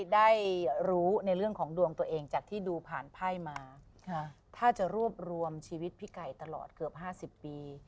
ได้รู้ในเรื่องของดวงตัวเองจากที่ดูผ่านไพ่มาถ้าจะรวบรวมชีวิตพี่ไก่ตลอดเกือบ๕๐ปี